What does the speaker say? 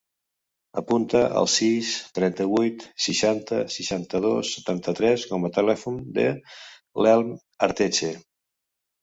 Apunta el sis, trenta-vuit, seixanta, seixanta-dos, setanta-tres com a telèfon de l'Elm Arteche.